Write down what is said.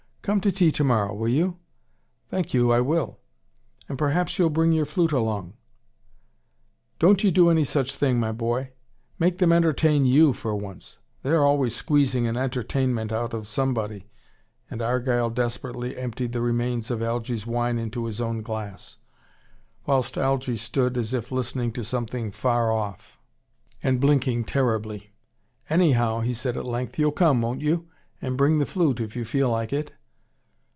Come to tea tomorrow, will you?" "Thank you, I will." "And perhaps you'll bring your flute along." "Don't you do any such thing, my boy. Make them entertain YOU, for once. They're always squeezing an entertainment out of somebody " and Argyle desperately emptied the remains of Algy's wine into his own glass: whilst Algy stood as if listening to something far off, and blinking terribly. "Anyhow," he said at length, "you'll come, won't you? And bring the flute if you feel like it."